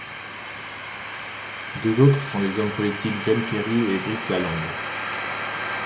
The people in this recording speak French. Deux autres sont les hommes politiques John Kerry et Brice Lalonde.